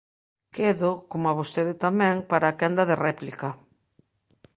Quedo, coma vostede tamén, para a quenda de réplica.